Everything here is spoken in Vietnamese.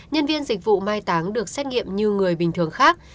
nhân viên dịch vụ mai táng được xét nghiệm như người bình thường khác